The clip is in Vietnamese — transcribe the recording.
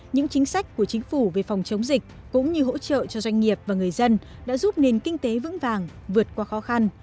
những chính sách của chính phủ về phòng chống dịch cũng như hỗ trợ cho doanh nghiệp và người dân đã giúp nền kinh tế vững vàng vượt qua khó khăn